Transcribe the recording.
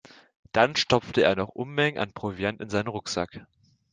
Dann stopfte er noch Unmengen an Proviant in seinen Rucksack.